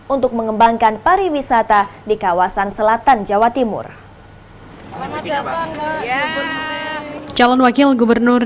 untuk mengembangkan pariwisata di kawasan selatan jawa timur